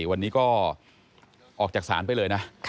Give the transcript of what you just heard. วันนี้ก็ออกจากศาลไปเลยนะ